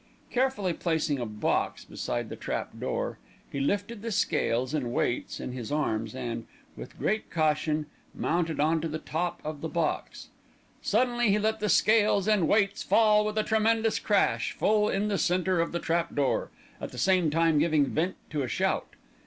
Carefully placing a box beside the trap door, he lifted the scales and weights in his arms and, with great caution, mounted on to the top of the box. Suddenly he let the scales and weights fall with a tremendous crash, full in the centre of the trap door, at the same time giving vent to a shout.